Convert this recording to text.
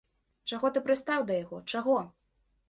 Чаго ты прыстаў да яго, чаго?